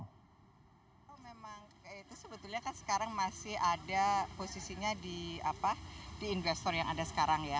kalau memang itu sebetulnya kan sekarang masih ada posisinya di investor yang ada sekarang ya